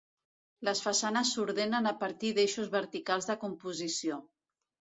Les façanes s’ordenen a partir d’eixos verticals de composició.